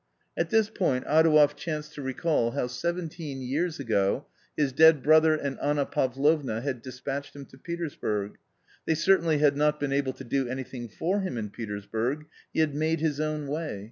At this point Adouev chanced to recall how seventeen years ago, his dead brother and Anna Pavlovna had despatched him to Petersburg. They certainly had not been able to do anything for him in Petersburg, he had made his own way